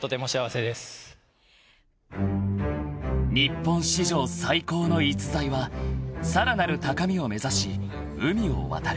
［日本史上最高の逸材はさらなる高みを目指し海を渡る］